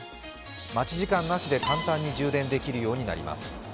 待ち時間なしで簡単に充電できるようになります。